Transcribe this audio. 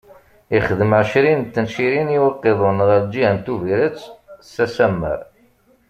Ixdem ɛecrin n tencirin i uqiḍun ɣer lǧiha n Tuburet, s asammer.